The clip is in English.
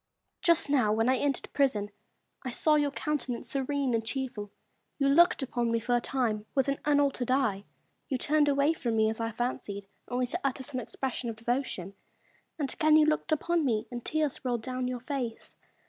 Lady Lisle. Just now, when I entered the prison, I saw your countenance serene and cheerful ; you looked upon me for a time with an unaltered eye ; you turned away from me, as I fancied, only to utter some expressions of devotion ; and again you looked upon me, and tears rolled down your face.